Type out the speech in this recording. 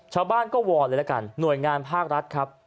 ชาวบ้านก็วอนเลยละกันหน่วยงานภาครัฐครับ